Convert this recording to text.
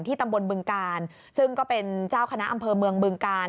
ตำบลบึงกาลซึ่งก็เป็นเจ้าคณะอำเภอเมืองบึงกาล